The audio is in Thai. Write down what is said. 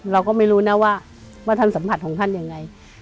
เราก็ไม่รู้นะว่าท่านสัมผัสของท่านยังไง